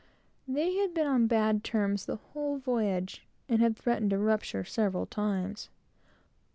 They had been on bad terms the whole voyage; and had threatened a rupture several times.